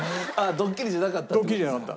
ドッキリじゃなかった。